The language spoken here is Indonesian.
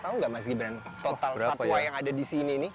tahu nggak mas gibran total satwa yang ada di sini ini